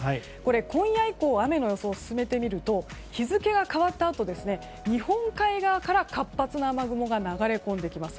今夜以降雨の予想を進めてみると日付が変わったあと日本海側から活発な雨雲が流れ込んできます。